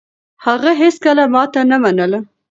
هغه هيڅکله ماتې نه منله.